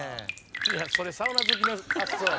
いやそれサウナ好きの発想や。